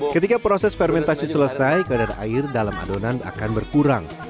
ketika proses fermentasi selesai kadar air dalam adonan akan berkurang